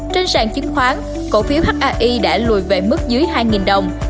trên sàn chứng khoán cổ phiếu hi đã lùi về mức dưới hai đồng